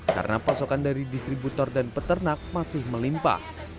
karena pasokan dari distributor dan peternak masih melimpah